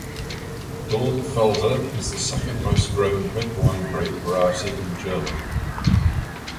Dornfelder is the second most grown red wine grape variety in Germany.